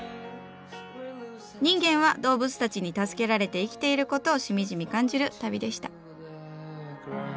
人間は動物たちに助けられて生きていることをしみじみ感じる旅でした。